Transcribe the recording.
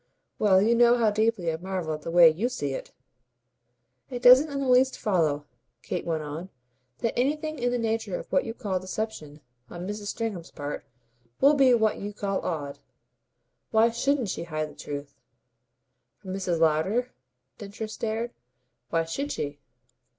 "Well, you know how deeply I marvel at the way YOU see it!" "It doesn't in the least follow," Kate went on, "that anything in the nature of what you call deception on Mrs. Stringham's part will be what you call odd. Why shouldn't she hide the truth?" "From Mrs. Lowder?" Densher stared. "Why should she?"